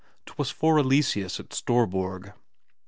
'Twas for Eleseus at Storborg.